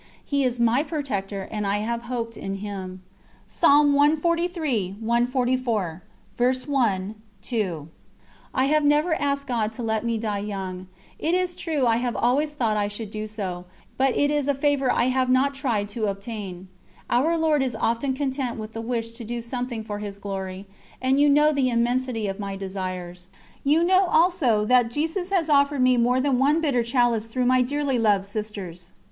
He is my Protector and I have hoped in Him." I have never asked God to let me die young, It is true I have always thought I should do so, but it is a favour I have not tried to obtain. Our Lord is often content with the wish to do something for His Glory, and you know the immensity of my desires. You know also that Jesus has offered me more than one bitter chalice through my dearly loved sisters.